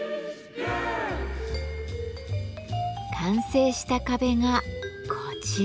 完成した壁がこちら。